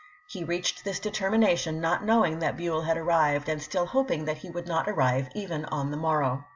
He reached this determination not knowing that Buell had arrived, and still hoping that he would not arrive even on the morrow.